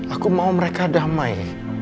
aku mau mereka damai